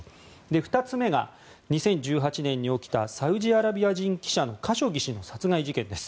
２つ目が、２０１８年に起きたサウジアラビア人記者のカショギ氏の殺害事件です。